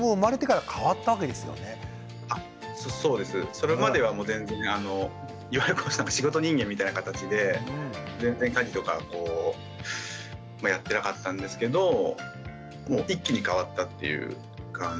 それまではもう全然あのいわゆる仕事人間みたいな形で全然家事とかやってなかったんですけど一気に変わったっていう感じです。